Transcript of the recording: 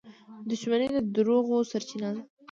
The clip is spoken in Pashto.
• دښمني د دروغو سرچینه ده.